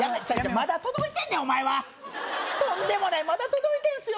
まだ届いてんねんお前はとんでもないまだ届いてんすよ